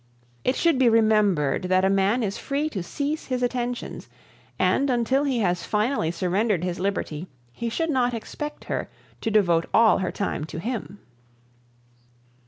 It should be remembered that a man is free to cease his attentions, and until he has finally surrendered his liberty he should not expect her to devote all her time to him.